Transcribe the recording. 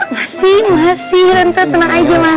masih masih rente tenang aja mas